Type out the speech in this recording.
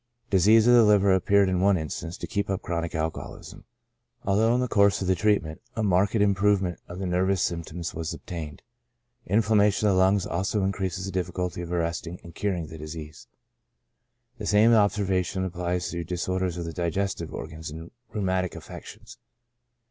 Disease of the liver appeared in one instance to keep up chronic alcoholism, although in the course of the treatment a marked improve ment of the nervous symptoms was obtained. Inflamma tion of the lungs also increases the difficulty of arresting and curing the disease. The same observation applies to disorders of the digestive organs and rheumatic affections.